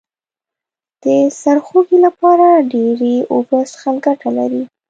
د سرخوږي لپاره ډیرې اوبه څښل گټه لري